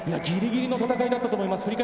ギリギリの戦いだったと思います。